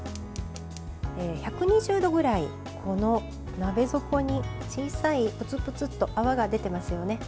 １２０度ぐらいで鍋底に小さい、ぷつぷつっと泡が出ていますよね。